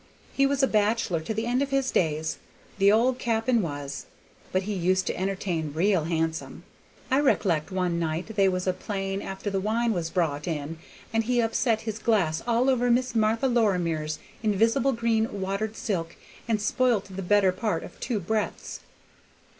He was a bachelor to the end of his days, the old cap'n was, but he used to entertain real handsome. I rec'lect one night they was a playin' after the wine was brought in, and he upset his glass all over Miss Martha Lorimer's invisible green watered silk, and spoilt the better part of two breadths.